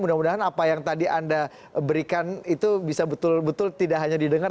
mudah mudahan apa yang tadi anda berikan itu bisa betul betul tidak hanya didengar